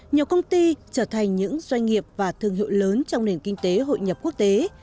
nhiều công ty trở thành những doanh nghiệp và thương hiệu lớn trong nền kinh tế hội nhập quốc tế